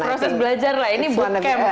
ya proses belajar lah ini bootcamp